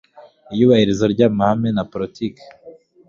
iyubahirizwa ry amahame na politiki